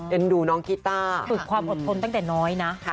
ดูน้องกีต้าฝึกความอดทนตั้งแต่น้อยนะ